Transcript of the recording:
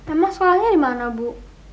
emang sekolahnya di mana bu